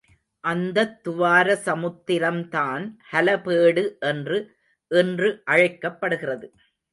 அந்தத் துவாரசமுத்திரம் தான் ஹலபேடு என்று இன்று அழைக்கப்படுகிறது.